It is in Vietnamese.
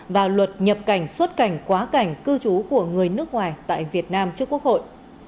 và luật nhập cảnh xuất cảnh quá cảnh cư trú của người nước ngoài tại việt nam trước quốc hội